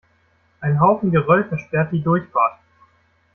Ein Haufen Geröll versperrt die Durchfahrt.